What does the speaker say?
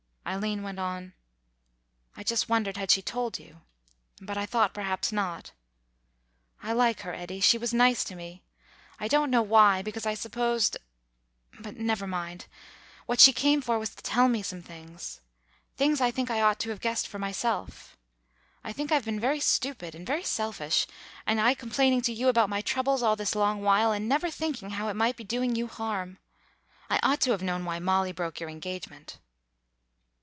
Eileen went on, "I just wondered had she told you. But I thought perhaps not.... I like her, Eddy. She was nice to me. I don't know why, because I supposed but never mind. What she came for was to tell me some things. Things I think I ought to have guessed for myself. I think I've been very stupid and very selfish, and I complaining to you about my troubles all this long while, and never thinking how it might be doing you harm. I ought to have known why Molly broke your engagement."